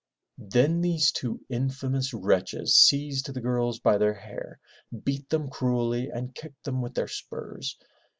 Then these two infamous wretches seized the girls by their hair, beat them cruelly and kicked them with their spurs.